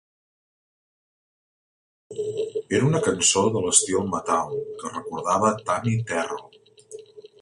Era una cançó de l'estil Motown, que recordava a Tammi Terrell.